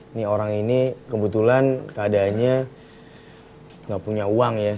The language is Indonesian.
ini orang ini kebetulan keadaannya nggak punya uang ya